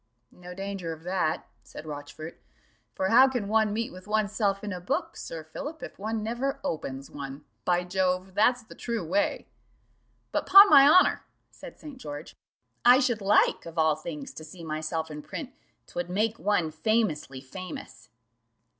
"No danger of that," said Rochfort; "for how can one meet with oneself in a book, Sir Philip, if one never opens one? By Jove, that's the true way." "But, 'pon my honour," said St. George, "I should like of all things to see myself in print; 'twould make one famously famous."